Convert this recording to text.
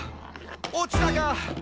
落ちたか！」